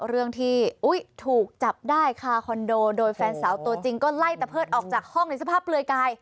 เรื่องที่ถูกจับได้คาคอนโดโดยแฟนสาวตัวจริงก็ไล่ตะเพิดออกจากห้องในสภาพเปลือยกาย